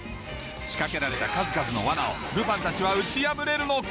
仕掛けられた数々のワナをルパンたちは打ち破れるのか？